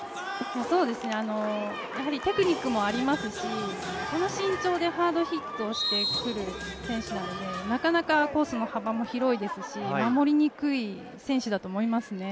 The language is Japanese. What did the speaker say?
そうですねテクニックもありますし、この身長でハードヒットをしてくる選手なのでなかなかコースの幅も広いですし、守りにくい選手だと思いますね。